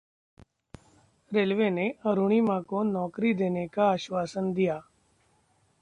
railway ने अरुणिमा को नौकरी देने का आश्वासन दिया